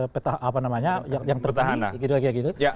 peta apa namanya yang terpilih